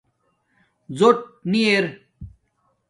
زݸٹ نی ار